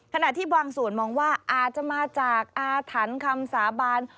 ขณะที่บางส่วนมองว่าอาจจะมาจากอาถรรพ์คำสาบาน